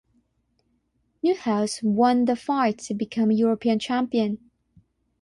Neuhaus won the fight to become European champion.